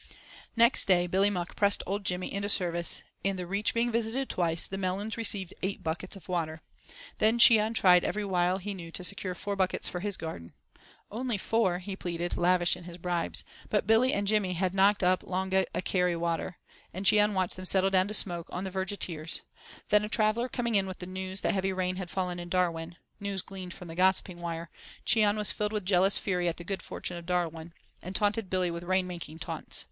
Next day Billy Muck pressed old Jimmy into the service and, the Reach being visited twice, the melons received eight buckets of water Then Cheon tried every wile he knew to secure four buckets for his garden. "Only four," he pleaded, lavish in his bribes. But Billy and Jimmy had "knocked up longa a carry water," and Cheon watched them settle down to smoke, on the verge of tears. Then a traveller coming in with the news that heavy ram had fallen in Darwin—news gleaned from the gossiping wire—Cheon was filled with jealous fury at the good fortune of Darwin, and taunted Billy with rain making taunts.